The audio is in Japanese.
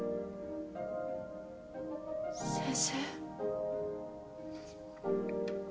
先生？